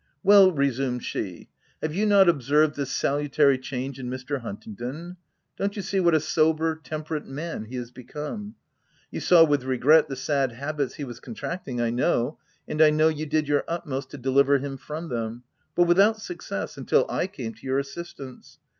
" Well," resumed she, " have you not ob served this salutary change in Mr. Hunting don ? Don't you see what a sober, temperate man he is become ? You saw with regret the sad habits he was contracting, I know ; and I know you did your utmost to deliver him from them, — but without success, until I came to your assistance.